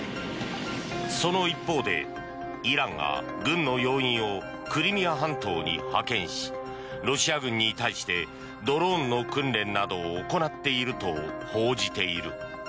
その一方でイランが軍の要員をクリミア半島に派遣しロシア軍に対してドローンの訓練などを行っていると報じている。